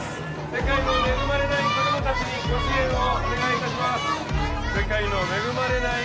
世界の恵まれない子供たちにご支援をお願いします